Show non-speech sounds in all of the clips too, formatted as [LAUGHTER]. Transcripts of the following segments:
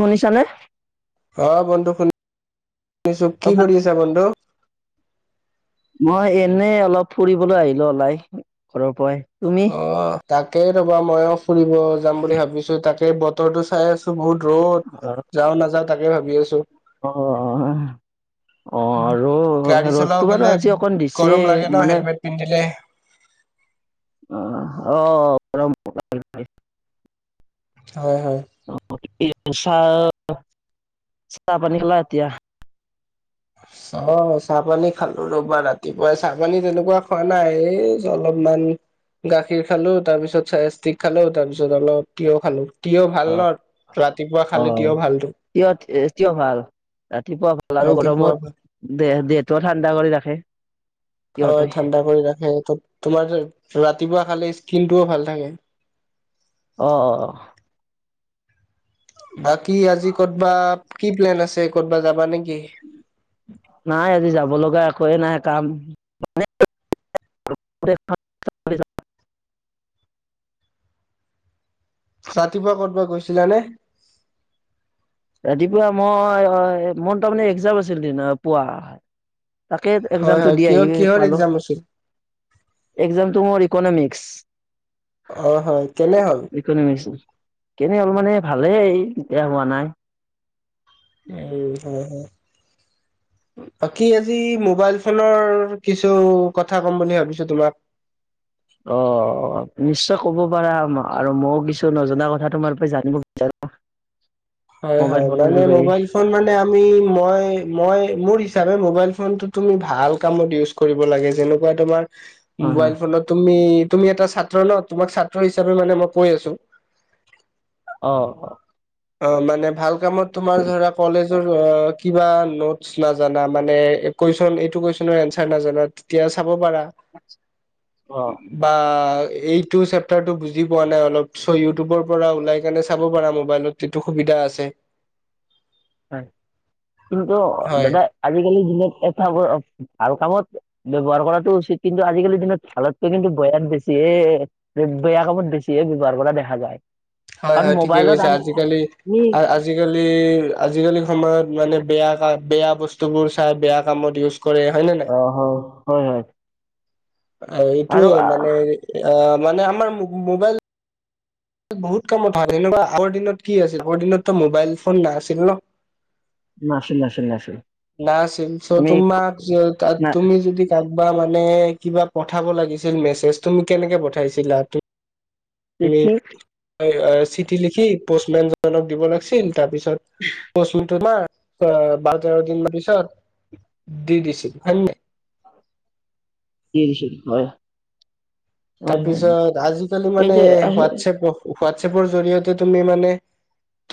মনীষা নে? অ বন্ধু শুনি শুনিছো কি কৰি আছা বন্ধু। মই এনে অলপ ফুৰিবলৈ আহিলো ওলাই ঘৰৰ পৰাই। তুমি? অহ তাকে ৰবা মইও ফুৰিব যাম বুলি ভাবিছো তাকে বতৰটো চাই আছো বহুত ৰ'দ যাও নাযাওঁ তাকে ভাবি আছো। অহ - অহ - হ - হ অহ, আৰু গাড়ী চলাও ৰ'দটো বাৰু গলে আজি অকণ দিছে গৰম লাগে ন মানে হেলমেট পিন্ধিলে আহ অ অ ব হয়- হয় চাহ চাহ পানী খালা এতিয়া? চাহ -চাহ -পানী খালো ৰবা ৰাতিপুৱাই চাহ- পানী তেনেকুৱা খোৱা নাই। এই অলপমান। গাখীৰ খালো তাৰ পিছত চাই ষ্টিক খালো তাৰ পিছত অলপ তিয়হ খালো? তিয়হ ভাল অ', ন' ৰাতিপুৱা খালে অ', তিয়হ ভালতো। তিয় তিয়হ ভাল ৰাতিপুৱা ভাল আৰু গৰমত ৰাতিপুৱা দে দেহটোয় ঠাণ্ডা কৰি ৰাখে। হয় তিয়হটোই ঠাণ্ডা কৰি ৰাখে তোমাৰ ৰাতিপুৱা খালে। কিন্তুও ভাল থাকে অ অ অ বাকী আজি ক'তবা কি প্লেন আছে ক'তবা যাবা নেকি? নাই আজি যাব লগা একোৱে নাই কাম [UNINTELLIGIBLE] ৰাতিপুৱা কৰ'তব গৈছিলানে? ৰাতিপুৱা মই মই তাৰমানে একজাম আছিল পুৱোৱা? তাকে হয় একজামটো হয় দি কিয় আহি কিহৰ পালো। এক্জাম আছিল? একজামটো মোৰ ইকনমিক্স অহ, হয় কেনে হ'ল? ইকনমিক্স কেনে হ'ল মানে ভালেই বেয়া হোৱা নাই। উম [UNINTELLIGIBLE] [INAUDIBLE] বাকি আজি মোবাইল ফোনৰ কিছু কথা ক'ম বুলি ভাবিছো তোমাক। [UNINTELLIGIBLE] অহ, নিশ্চয় কব পাৰা আৰু মইও কিছু নজনা কথা তোমাৰ পে জানব বিচাৰো। [INAUDIBLE] হয় -হয় মানে মোবাইল ফোন মানে আমি মই- মই মোৰ হিচাপে মোবাইল ফোনতটো তুমি ভাল কামত ইউজ কৰিব লাগে যেনেকুৱা তোমাৰ? হয় হয় মোবাইল ফোনত তুমি তুমি এটা ছাত্ৰ ন তোমাক ছাত্ৰ হিচাপে মানে মই কৈ আছো অহ - অহ অহ, মানে ভাল কামত তোমাৰ ধৰা কলেজৰ কিবা নোটচ নাজানা মানে কুৱেশ্যন এইটো কুৱেশচনৰ এনঞ্চাৰ নাজানা তেতিয়া চাব পাৰা। অ বা এইটো চেপটাৰ টো বুজি পোৱা নাই, অলপ চ' ইউটিউবৰ পৰা ওলাই কেনে চাব পাৰা মোবাইলত। এটো সুবিধা আছে। হয় কিন্তু হয় দাদা আজিকালি যোনে এটা ভাল কামত ব্যৱহাৰ কৰাটো উচিত কিন্তু আজিকালিৰ দিনত ভালতকৈ কিন্তু বেয়া বেছি এ বেয়া কামত বেছি ব্যৱহাৰ কৰা দেখা যায় হয়- কাৰণ হয় ঠিকে মোবাইলত কৈছা আমি আজিকালি আমি - আজিকালি আজিকালি সময়ত মানে বেয়া কাম, বেয়া বস্তুবোৰ চাই বেয়া কামত ইউজ কৰে হয় নে নাই অহ, হয় - হয় -হয়। অ', এইটোয়ে আৰু মানে অ' মানে আমাৰ মোবাইল বহুত কামত হয় [UNINTELLIGIBLE] আগৰ দিনত কি আছিল আগৰ দিনততো মোবাইল ফোন নাছিল ন'? নাছিল নাছিল নাছিল না আছিল চ' আমি তোমাক না তুমি যদি কাম বা মানে কিবা পঠাব লাগিছিল মেছেজ তুমি কেনেকে পঠাইছিলা ত এ ঠিক [UNINTELLIGIBLE] চিঠি লিখি পষ্টমেন জনক দিব লাগছিল তাৰপিছত [UNINTELLIGIBLE] অ', বাৰ তেৰ দিন মান পিছত দি দিছিল। হয় নাই। কি দিছিল হয়? হয় হয় তাৰপিছত আজিকালি এই মানে যে আহ, হোৱাটছএপ হোৱাটএপৰ জৰিয়তে তুমি মানে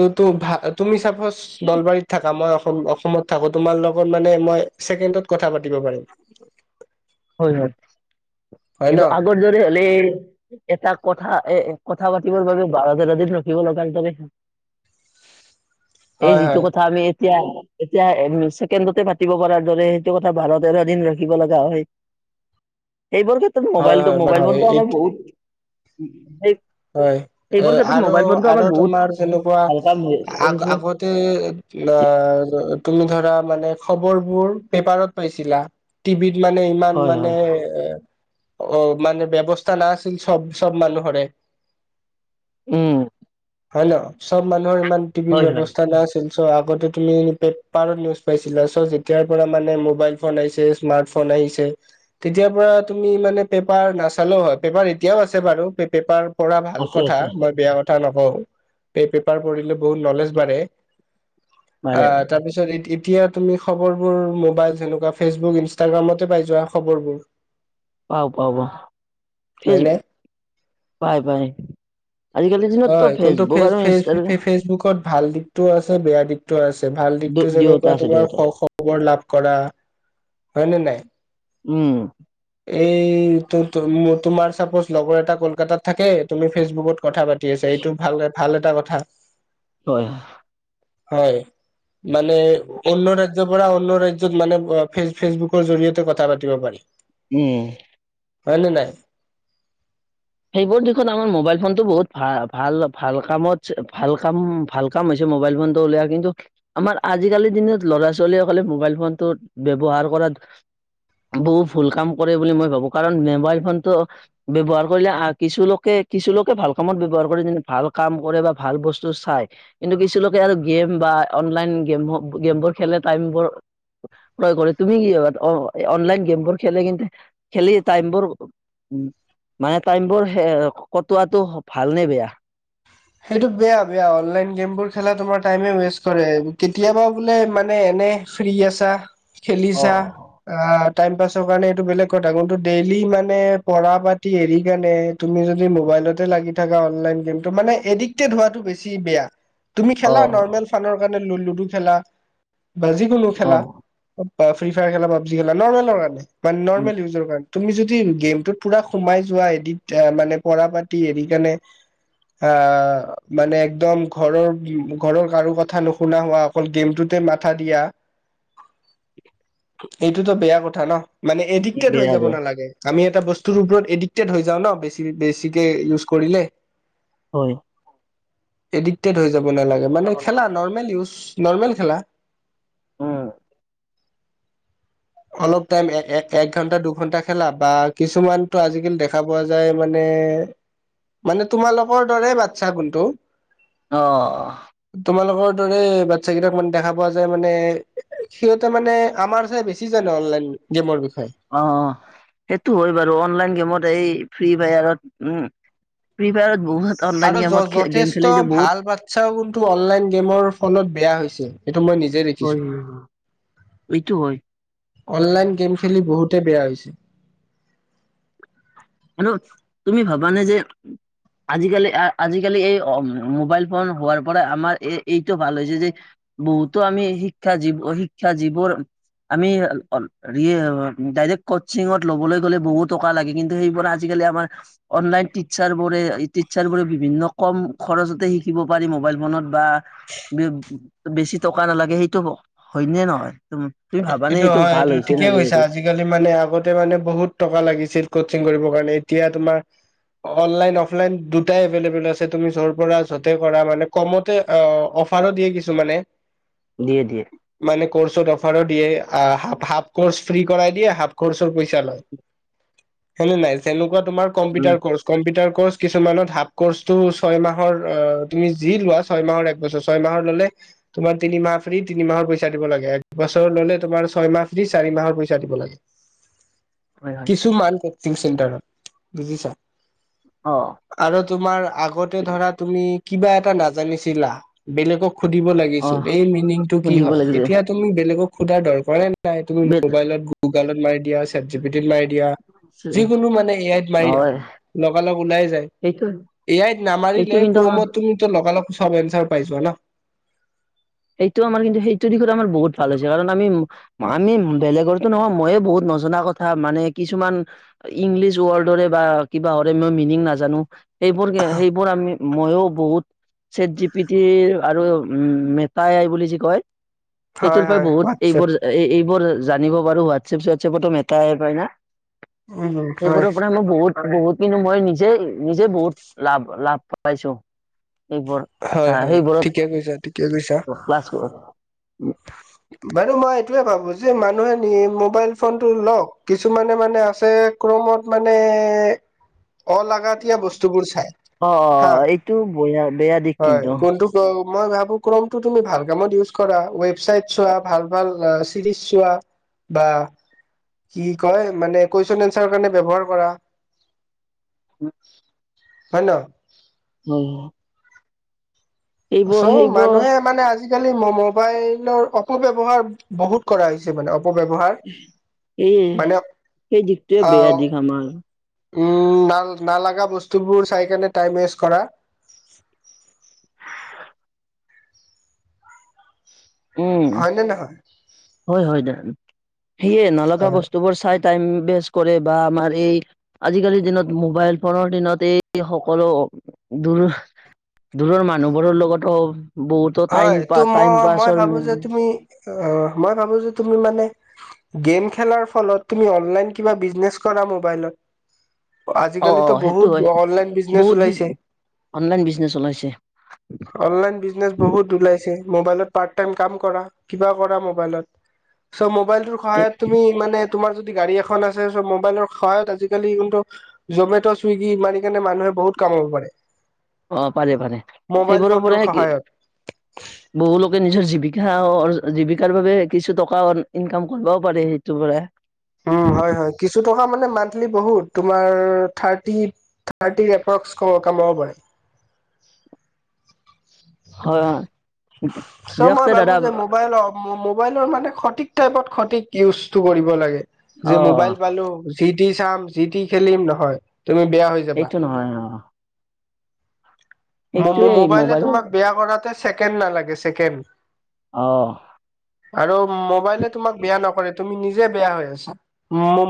তু- তু ভা তুমি চাবা [UNINTELLIGIBLE] নলবাৰীত থাকা মই অসমত থাকো তোমাৰ লগত মানে মই ছেকেণ্ডত কথা পাতিব পাৰিম হয়- হয়। হয় ন কিন্তু আগৰ দিনৰে হ'লে এটা কথা এ কথা- পাতিবৰ বাবে বাৰ -তেৰ দিন ৰখিব লগা হিচাপে এই হয় হয় যিটো কথা আমি- এতিয়া -এতিয়া ছেকেণ্ডতে পাতিব পৰা দৰে সেইটো কথা বাৰ- তেৰ দিন ৰখিব লগা হয়। এইবোৰ ক্ষেত্ৰত হয় মোবাইলটো হয় বাট মোবাইল হয় ফোনটো এই আমাৰ বহুত হয়, সেইবোৰ এ' ক্ষেত্ৰত আৰু মোবাইল ফোনটো -আৰু আমাৰ বহুত তোমাৰ যেনেকুৱা ভাল কাম আগ- কৰিছে আগতে অ', তুমি ধৰা মানে খবৰবোৰ পেপাৰত পাইছিলা টিভিত মানে ইমান হয় মানে হয় এ' অহ, মানে ব্যৱস্থা না আছিল চব -চব মানুহৰে উম হয় ন চব মানুহৰ ইমান টিভিৰ হয় হয় ব্যৱস্থা নাছিল। চ' আগতে তুমি পেপাৰত নিউজ পাইছিলা চ' যেতিয়াৰ পৰা মানে মোবাইল ফোন আহিছে, স্মাৰ্ট ফোন আহিছে তেতিয়াৰ পৰা তুমি মানে পেপাৰ নাচালেও হয় পেপাৰ এতিয়াও আছে বাৰু পেপাৰ পঢ়া ভাল আছে কথা, আছে মই বেয়া কথা নকওঁ, এই পেপাৰ পঢ়িলে বহুত নলেজ বাঢ়ে। পাৰে অ', তাৰপিছত ই এতিয়া তুমি খবৰবোৰ মোবাইল সেনেকুৱা ফেচবুক, ইনষ্টাগ্ৰামতে পাই যোৱা খবৰবোৰ পাও- পাও বা ফেচ হয়নে পাই - পাই আজিকালিৰ দিনততো হয়, কোনটো ফেচবুক ফেচ আৰু -ফেচ ইনষ্টাগ্ৰাম ফেচবুকত ভাল দিশতটোও আছে, বেয়া দিশটোও আছে ভাল দিশটো দু- দুয়োটা যেনেকোৱা আছে তোমাৰ দুয়োটা খ আছে। -খবৰ লাভ কৰা হয়নে নাই? উম এই তোমাৰ চাপজ লগৰ এটা কলকাতাত থাকে তুমি ফেচবুকত কথা পাতি আছা এইটো ভালকে ভাল এটা কথা। হয়। হয়, মানে অন্য ৰাজ্য ধৰা অন্য ৰাজ্যত মানে ফেচ- ফেচবুকৰ জৰিয়তে কথা পাতিব পাৰি। উম। হয় নে নাই? সেইবোৰ দিশত আমাৰ মোবাইল ফোনটো বহুত ভাল- ভাল -ভাল কামত ভাল কাম- ভাল কাম হৈছে। মবাইল ফোনতো উলিয়ায় কিন্ত আমাৰ আজি কালি দিনত লৰা- ছোৱালীসকলে মবাইল ফোনটোত ব্যহাৰ কৰা বহু ভুল কাম কৰে বুলি মই ভাবো কাৰণ মোবাইল ফোনটো ব্যৱহাৰ কৰিলে আ কিছু লোকে-কিছু লোকে ভাল কামত ব্যৱহাৰ কৰে যেনে ভাল কাম কৰে বা ভাল বস্তু চাই। এন- কিন্তু কিছুলোকে আৰু গেম বা অনলাইন গেম গেমবোৰ খেলে টাইমবোৰ ক্ৰয় কৰে তুমি কি ভাবা অনলাইন গেমবোৰ খেলে কিন্তু খেলি টাইমবোৰ উম, মানে টাইমবোৰ কটোৱাটো ভালনে বেয়া? সেইটো বেয়া -বেয়া আনলাইন গেমবোৰ খেলা তোমাৰ টাইমে ওৱেচ কৰে কেতিয়াবা বোলে মানে ফ্ৰী আছা অ খেলিছা আ টাইম পাছৰ কাৰণে এইটো বেলেগ কথা, কিন্তু ডেইলি মানে পঢ়া পাতি হেৰি কাৰণে তুমি যদি মোবাই- মোবাইলতে লাগি থাকা অনলাইন গেমটো মানে এডিকটেড হোৱাটো বেছি বেয়া তুমি অ খেলা নৰ্মেল ফানৰ কাৰণে লুডু খেলা বা যিকোনো অ খেলা বা ফ্ৰী ফায়াৰ খেলা, পাবজি খেলা, নৰ্মেলৰ কাৰণে বা নৰ্মেল ইউজৰ কাৰণ, তুমি য- [UNINTELLIGIBLE] গেমটোত পুৰা সোমাই যোৱা এদিত মানে পঢ়া -পাতি এৰি কেনে আ মানে একদম ঘৰৰ ঘৰৰ কাৰো কথা নুশুনা হোৱা অকল গেমটোতে মাত- থা দিয়া- [INAUDIBLE] এইটোতো বেয়া কথা ন, মানে বেয়া এদিক্তেদ হৈ বেয়া যাব যে নালাগে। আমি এটা বস্তুৰ ওপৰত এডিক্টেড হৈ যাওঁ ন, বেছি বেছিকে ইউজ কৰিলে। হয়। এডিক্টেড হৈ যাব নালাগে মানে খেলা নৰ্মেল ইউজ নৰ্মেল খেলা। অহ অলপ টাইম এক ঘন্টা দুঘন্টা খেলা বা কিছুমানতো আজিকালি দেখা পোৱা যায় মানে এ মানে তোমালোকৰ দৰে বাচ্ছা গুণটো- অ। ৰে বাচ্ছা কেইটাক মানে দেখা পোৱা যায় মানে সিহঁতে মানে আমাৰ কি জানো অনলাইন গেমৰ বিষয়ে অ সেইটো হয় বাৰু অনলাইন গেমত এই ফ্ৰী ফায়াৰত উম। ফ্ৰী ফায়াৰত বহুত অনলাইন আৰু য গেমত খে- গেম খেলি যথেষ্ট যে বহুত ভাল বাচ্ছাও কিন্তু অনলাইন গেমৰ ফলত বেয়া হৈছে। এইটো মই নিজেই হয়। দেখিছোঁ। এইটো হয় অনলাইন গেম খেলি বহুতে বেয়া হৈছে। আৰু তুমি ভাবানে যে আজিকালি আজিকালি এই মোবাইল ফোন হোৱাৰ পৰা আমাৰ এই এইটো ভাল হৈছে যে বহুতো আমি শিক্ষা জীৱ শিক্ষা জীৱৰ আমি হেৰি ডাইৰেক্ট কচিঙত ল'বলৈ গ'লে বহুত টকা লাগে কিন্তু সেইবোৰ আজিকালি আমাৰ অনলাইন টিৰ্চাৰ বোৰে টিৰ্চাৰ বোৰে বিভিন্ন কম খৰচতে শিক দিব পাৰি মোবাইল ফোনত বা বেছি টকা নালাগে সেইটো হয়নে নহয়? তুম- তুমি ভাবানে এইটো হয় ভাল এইটো হৈছে নে ঠিকে বেয়া কৈছা হৈছে আজিকালি মানে আগতে মানে বহুত টকা লাগিছিল। কচিং কৰিবৰ কাৰণে এতিয়া তোমাৰ অনলাইন অফলাইন দুটাই এভেইলেবল আছে তুমি য পৰা যতে কৰা মানে কমতে অ অফাৰো দিয়ে কিছু মানে। দিয়ে দিয়ে মানে ক'ৰ্চত অফাৰো দিয়ে আ হাফ ক'ৰ্চ ফ্ৰী কৰাই দিয়ে হাফ- ক'ৰ্চৰ পইচা লয়, হয়নে নাই যেনেকুৱা তোমাৰ উম, কম্পিউটাৰ ক'ৰ্চ কম্পিউটাৰ ক'ৰ্চ কিছুমানত হাফ ক'ৰ্চটো ছয় মাহৰ অ' তুমি যি লোৱা ছয় মাহৰ একবছৰ ছয় মাহৰ ল'লে তোমাৰ তিনিমাহ ফ্ৰী তিনি মাহৰ পইচা দিব লাগে। বছৰ ললে তোমাৰ ছয়মাহ দি চাৰি মাহৰ পইচা দিব লাগে, হয় হয় কিছুমান কচিং চেণ্টাৰত বুজিছা? অ আৰু তোমাৰ আগতে ধৰা তুমি কিবা এটা নাজানিছিলা, বেলেগক সুধিব অ লাগিছিল, এই মিনিংটো কি সুধিব হয়? লাগিছে এতিয়া তুমি বেলেগক সোধাৰ দৰকাৰে নাই তুমি বে মোবাইলত গুগলত মাৰি দিয়া চেত জি টি মাৰি দিয়া যিকোনো মানে এয়াইত মাৰি দিয়া হয় লগা লগ ওলাই যায়। এইটো এয়াই এইটো নামাৰিলে কিন্তু আমাৰ ক্ৰমত তুমিতো লগালগ চব এনচাৰ পাই যোৱা ন। সেইটো আমাৰ কিন্তু সেইটো দিশত আমাৰ বহুত ভাল হৈছে কাৰণ আমি আমি বেলেগৰটো নহয় ময়ে বহুত নজনা কথা মানে কিছুমান ইংলিছ ৱৰ্ডৰে বা কিবা হৰে মই মিনিং নাজানো সেইবোৰ সেইবোৰ আমি মইয়ো বহুত চেট জি পিটিৰ আৰু মেট- তাই আই বুলি যি কয় হয় সেইটোৰ পৰাই হয় বহুত হোৱাটছএপ এইবোৰ এইবোৰ জানিব ৱাৰু ৱাতচ এপ চোৱাত এপ টো মেটা এ আই কয় না? উম সেইবোৰ হয় পৰা মোৰ বহুত বহুত কিন্তু মই নিজে নিজে বহুত লাভ লাভ পাইছো। এইবোৰ হয় চাহ হয় সেইবোৰত ঠিকে মই কৈছা ঠিকে কৈছা ক্লাছ কৰা নহয় বাৰু মই এইটোয়ে ভাবো যে মানুহে নি মোবাইল ফোনটো লওক। কিছুমানে মানে আছে ক্ৰমত মানে। অলাগাতীয়া বস্তুবোৰ চাই অ হা অ' এইটো বয়া বেয়া দিশ হয় কিন্তু কোনটো মই ভাবো কমটো তুমি ভাল কামত ইউজ কৰা ৱেবচাইট। চোৱা ভাল ভাল চিৰিজ চোৱা বা কি কয় মানে কুৱেশচন এনচাৰ কাৰণে ব্যৱহাৰ কৰা। উন। হয় ন? হুম হুম। চ মানুহে মানে আজি। আজিকালি মোবাইলৰ অপব্যৱহাৰ বহুত কৰা হৈছে মানে। অপব্যৱহাৰ এই মানে সেই দিশটোৱে বেয়া দিশ আমাৰ আহ উম ন নালাগা বস্তুবোৰ চাই কাৰনে টাইম ৱেষ্ট কৰা। [UNINTELLIGIBLE] উম হয় নে নহয়? হয় হয় দ সেয়ে নলগা হয় বস্তুবোৰ চাই। টাইম বেষ্ট কৰে বা আমাৰ এই আজিকালিৰ দিনত মোবাইল ফোনৰ দিনত এই সকলো দূৰৰ দূৰৰ মানুহবোৰৰ লগতো বহুতো টাইম হয় ত পা টাইম মই মই পাছৰ ভাবো যে তুমি অ মই ভাবো যে তুমি মানে গেম খেলাৰ ফলত তুমি অনলাইন কিবা বিজনেজ কৰা মবাইলত অ অ আজিকালিতো সেইটো বহুত হয় অনলাইন বিজনেচ বহুত বিজ ওলাইছে? অনলাইন বিজনেচ ওলাইছে অনলাইন বিজনেচ বহুত। ওলাইছে মবাইলত পাৰ্ট টাইম কাম কৰা কিবা কৰা ম'বাইলত ত' মোবাইলটোৰ সহায়ত তুমি মানে তোমাৰ যদি গাড়ী এখন আছে চ মোবাইলৰ সহায়ত আজিকালি কোনটো জমেট' চুইগি মাৰিকিনে মানুহে বহুত কাম কৰিব পাৰে। অ পাৰে পাৰে মোবাইল সেইবোৰৰ ফোনটোৰ পৰাে কি। সহায়ত বহু লোকে নিজৰ জীৱিকা জীৱিকাৰ বাবে কিছু টকা ইনকাম কৰিবও পাৰে। টো পৰা উম হয় হয় কিছু টকা মানে মান্থলি বহুত তোমাৰ থাৰ্টি থাৰ্টি এপক্স কাম কামাব পাৰে [INAUDIBLE] হয় হয় চ দিয়ক মই তে ভাবো দাদা যে মোবাইলৰ মোবাইলৰ মানে সঠিক তইপত খতিক ইউচ কৰিব লাগে অ যে মোবাইল পালো। জিটি চাম, জি টি খেলিম নহয় তুমি বেয়া হৈ যাবা। একটো নহয় অ। এইটোয়ে মোবাইলে মোবাইলৰ তোমাক বেয়া কৰাতে ছেকেণ্ড নালাগে ছেকেণ্ড? অ আৰু মোবাইলে তোমাক বেয়া নকৰে তুমি নিজ নিজে বেয়া হৈ আছা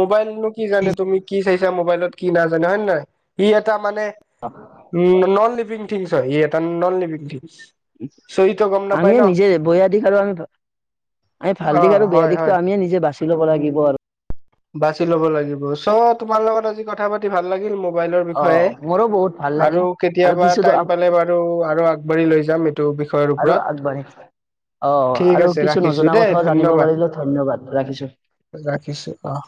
মবাইল নো কি জানে তুমি কি চাইছা যে মবাইলত কি নাজানে হয় নহয় ই এটা মানে ই নন পিং থিংছ হয় ই এটা নন লিভিঙ ঠিং। আমিও নিজে বৈ। দিশ আৰু আমি ভাল অ দিশ আৰু বেয়া হয় হয়। দিশতো আমিয়ে নিজে বাচি ল'ব লাগিব আৰু। বাছি ল'ব লাগিব চ তোমাৰ লগত আজি কথা পাতি ভাল লাগিল মোক ম'বাইলৰ অ বিষয়ে মোৰো বহুত ভাল আৰু লাগিল কেতিয়া আৰু বা কিছু টাইম পালে বাৰু আৰু আগবাঢ়ি লৈ যাম এইটো বিষয়ৰ আৰু ওপৰত আগবাঢ়ি অ ঠিক আৰু আছে কিছু ৰাখিছো নজনা দেই কথাও জানিব ধন্যবাদ পাৰিলো ধন্যবাদ ৰাখিছো। অঁ